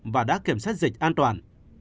và đã kiểm soát dịch an toàn